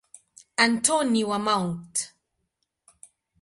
Antoni wa Mt.